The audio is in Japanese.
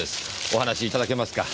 お話しいただけますか？